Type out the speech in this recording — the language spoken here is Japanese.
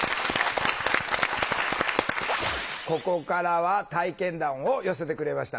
ここからは体験談を寄せてくれました